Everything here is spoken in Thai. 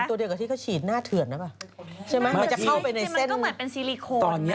ตัวเดียวกับที่เขาฉีดหน้าเถื่อนแล้วป่ะมันจะเข้าไปในเส้นตอนนี้เอาง่าย